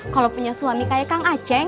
kalau punya suami kayak kang aceh